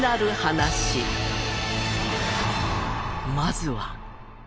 まずは。